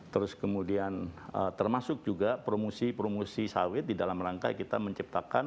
terus kemudian termasuk juga promosi promosi sawit di dalam rangka kita menciptakan